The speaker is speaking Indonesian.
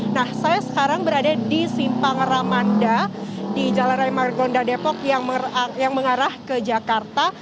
nah saya sekarang berada di simpang ramanda di jalan raya margonda depok yang mengarah ke jakarta